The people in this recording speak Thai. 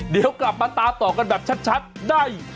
เดี๋ยวกลับมาตามต่อกันแบบชัดได้